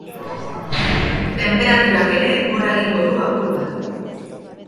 Tenperaturak ere gora egingo du apur bat.